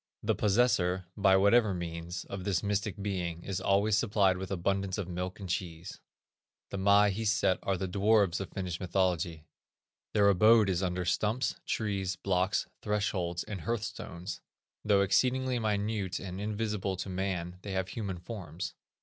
The possessor, by whatever means, of this mystic being, is always supplied with abundance of milk and cheese. The Maahiset are the dwarfs of Finnish mythology. Their abode is under stumps, trees, blocks, thresholds and hearth stones. Though exceedingly minute and invisible to man they have human forms.